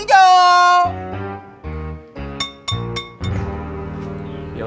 boleh ya ya